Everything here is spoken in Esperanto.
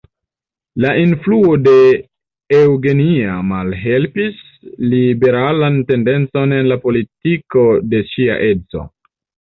La influo de Eugenia malhelpis liberalan tendencon en la politiko de ŝia edzo.